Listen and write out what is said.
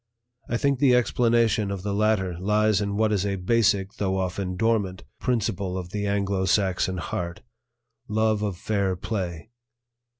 I think the explanation of the latter lies in what is a basic, though often dormant, principle of the Anglo Saxon heart, love of fair play.